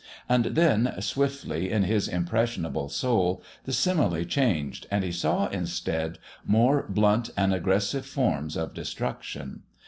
And then, swiftly in his impressionable soul, the simile changed, and he saw instead more blunt and aggressive forms of destruction.